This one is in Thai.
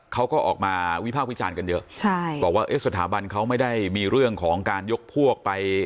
เขาก็ออกมาวิภาควิจารณ์กันเยอะใช่บอกว่าเอ๊ะสถาบันเขาไม่ได้มีเรื่องของการยกพวกไป